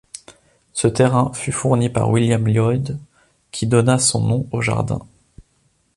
Ce terrain fut fourni par William Lloyd qui donna son nom au jardin.